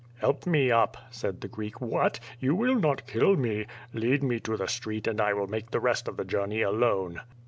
"Help me up," said the Greek. "What! you will not kill me? Lead me to the street and I will make the rest of the journey alone."